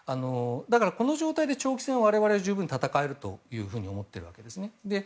この状態で長期戦を我々は十分戦えると思っているわけですね。